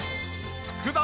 福田